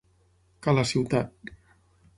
Ca la ciutat.